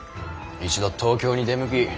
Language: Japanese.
一度東京に出向き